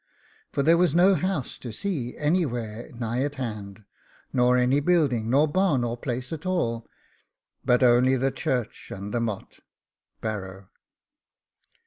For there was no house to see anywhere nigh hand, or any building, or barn, or place at all, but only the church and the MOTE (BARROW).